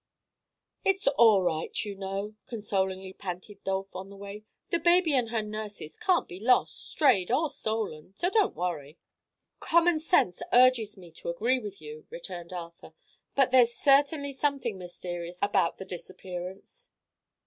"It's all right, you know," consolingly panted Dolph, on the way. "The baby and her nurses can't be lost, strayed or stolen, so don't worry." "Common sense urges me to agree with you," returned Arthur, "but there's certainly something mysterious about the disappearance."